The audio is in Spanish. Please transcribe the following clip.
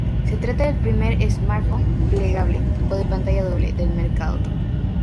Se trata del primer smartphone plegable, o de pantalla doble, del mercado.